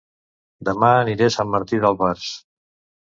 Dema aniré a Sant Martí d'Albars